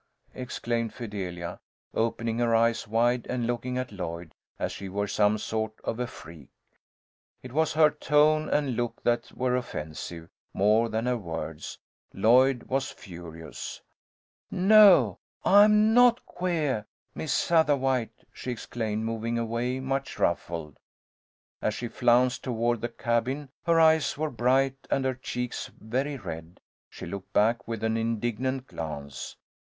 _" exclaimed Fidelia, opening her eyes wide and looking at Lloyd as if she were some sort of a freak. It was her tone and look that were offensive, more than her words. Lloyd was furious. "No, I am not queah, Miss Sattawhite!" she exclaimed, moving away much ruffled. As she flounced toward the cabin, her eyes very bright and her cheeks very red, she looked back with an indignant glance.